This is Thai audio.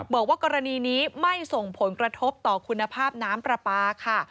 บอกว่ากรณีนี้ไม่ส่งผลกระทบต่อคุณภาพน้ำปลาปลาค่ะ